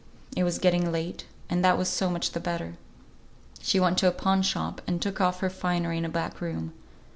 It was getting late, and that was so much the better. She went to a pawn shop, and took off her finery in a back room.